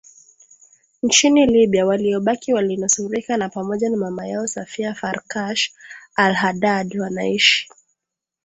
nchini Libya Waliobaki walinusurika na pamoja na mama yao Safia Farkash alHaddad wanaishi